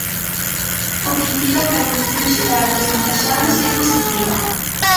O que indica que a evolución xeral dos contaxiados é positiva.